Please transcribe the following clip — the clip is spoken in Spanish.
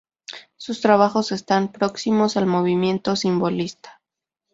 Sus trabajos están próximos al movimiento simbolista.